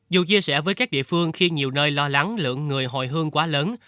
dù chia sẻ với các địa phương khi nhiều nơi lo lắng lượng người hồi hương quá lớn